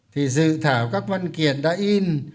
thì dự thảo các văn kiện đã in